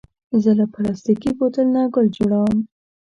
زه له پلاستيکي بوتل نه ګل جوړوم.